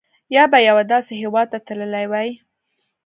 یا به یوه داسې هېواد ته تللي وای.